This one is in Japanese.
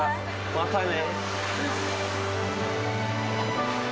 またね。